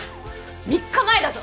３日前だぞ！？